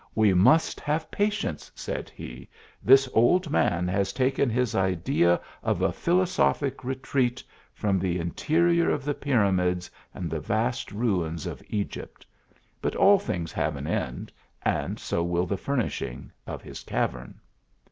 " We must have patience," said he ;" this old man has taken his idea of a philo sophic retreat from the interior of the Pyramids and the vast ruins of Egypt ; but all things have an end, and so will the furnishing of his cavern."